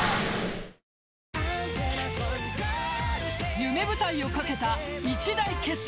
［夢舞台を懸けた一大決戦］